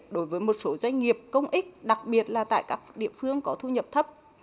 đối với một số doanh nghiệp công ích đặc biệt là tại các địa phương có thu nhập thấp